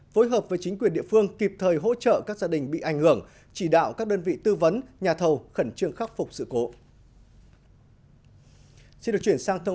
phối hợp với chính quyền địa phương kịp thời hỗ trợ các gia đình bị ảnh hưởng chỉ đạo các đơn vị tư vấn nhà thầu khẩn trương khắc phục sự cố